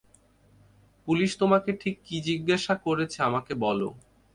Police তোমাকে ঠিক কি জিজ্ঞাসা করেছে আমাকে বলো।